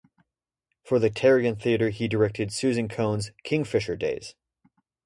For the Tarragon Theatre he directed Susan Coyne's "Kingfisher Days".